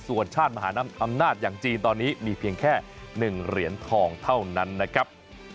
ส่วนชาติมหาน้ำอำนาจอย่างจีนตอนนี้มีเพียงแค่๑เหรียญทองเท่านั้นนะครับ